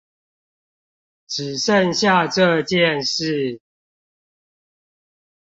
只剩下這件事